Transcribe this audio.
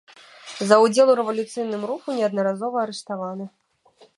За ўдзел у рэвалюцыйным руху неаднаразова арыштаваны.